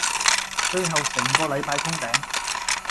最後成個禮拜通頂